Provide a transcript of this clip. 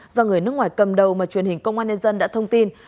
do người nước ngoài cầm đầu mà truyền hình công an nhân dân đã thông tin